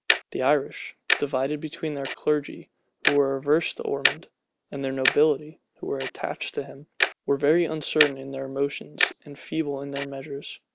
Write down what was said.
The other Irish, divided between their clergy, who were averse to Ormond, and their nobility, who were attached to him, were very uncertain in their motions and feeble in their measures.